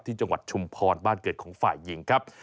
จังหวัดชุมพรบ้านเกิดของฝ่ายหญิงครับ